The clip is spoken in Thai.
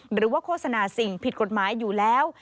โฆษณาสิ่งผิดกฎหมายอยู่แล้ว